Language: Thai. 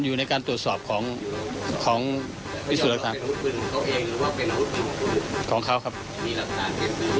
มีหลักฐานเกณฑ์สือที่มีทะเบียน